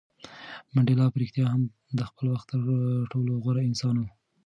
منډېلا په رښتیا هم د خپل وخت تر ټولو غوره انسان و.